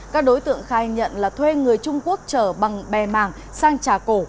các đối tượng khai nhận là thuê người trung quốc chở bằng bè mảng sang trà cổ